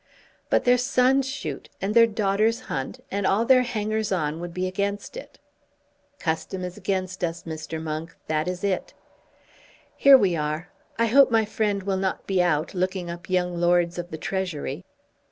"But their sons shoot, and their daughters hunt, and all their hangers on would be against it." "Custom is against us, Mr. Monk; that is it. Here we are. I hope my friend will not be out, looking up young Lords of the Treasury."